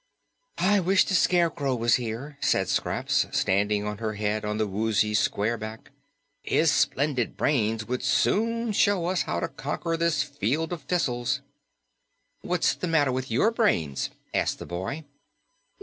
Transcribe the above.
"I wish the Scarecrow was here," said Scraps, standing on her head on the Woozy's square back. "His splendid brains would soon show us how to conquer this field of thistles." "What's the matter with YOUR brains?" asked the boy.